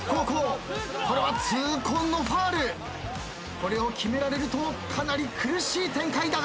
これを決められるとかなり苦しい展開だが。